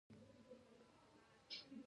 جنرال سټولیټوف له کابل څخه ووت.